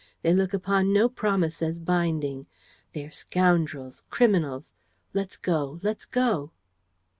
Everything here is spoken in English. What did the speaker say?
They look upon no promise as binding. They are scoundrels, criminals. Let's go. ... Let's go.